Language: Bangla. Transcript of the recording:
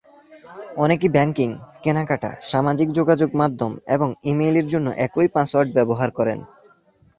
অনেকে ব্যাংকিং, কেনাকাটা, সামাজিক যোগাযোগমাধ্যম এবং ই-মেইলের জন্য একই পাসওয়ার্ড ব্যবহার করেন।